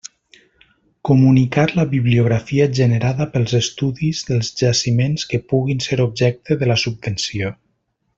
Comunicar la bibliografia generada pels estudis dels jaciments que puguin ser objecte de la subvenció.